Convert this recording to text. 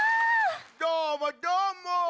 どーもどーも！